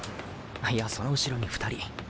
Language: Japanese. いやその後ろに２人。